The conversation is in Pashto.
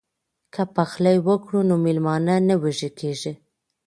که پخلی وکړو نو میلمانه نه وږي کیږي.